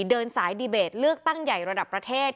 เดินสายดีเบตเลือกตั้งใหญ่ระดับประเทศ